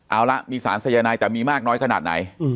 เอาละมีสารสายนายแต่มีมากน้อยขนาดไหน